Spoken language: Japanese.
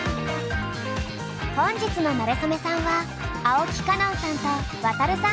本日のなれそめさんは青木歌音さんとワタルさん